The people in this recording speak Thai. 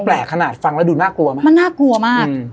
มันแปลขนาดฟังแล้วดูน่ากลัวไหม